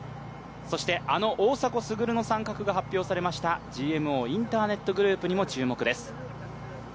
そしてあの大迫傑の参画が発表されましたＧＭＯインターネットグループにも注目です。